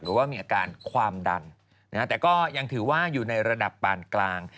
หรือว่ามีอาการความดันแต่ก็ยังถือว่าอยู่ในระดับปานกลาง